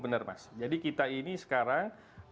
benar mas jadi kita ini sekarang